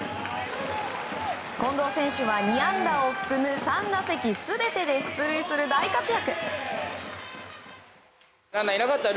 近藤選手は２安打を含む３打席全てで出塁する大活躍。